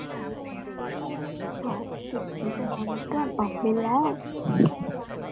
โดรนล่าสังหารติดขีปนาวุธร่อนออกบินแล้ว